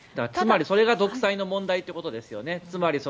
つまりそれが独裁の問題ということですよね。